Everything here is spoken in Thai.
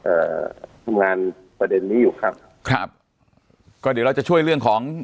อ่าทำงานประเด็นนี้อยู่ครับครับก็เดี๋ยวเราจะช่วยเรื่องของ